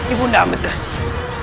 ibu nda amat kasih